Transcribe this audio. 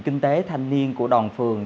đồng phế thanh niên của đòn phường